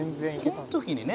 「この時にね